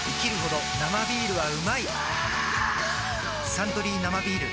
「サントリー生ビール」